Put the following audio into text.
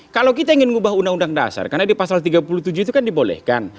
kalau kita ingin mengubah undang undang dasar karena di pasal tiga puluh tujuh itu kan dibolehkan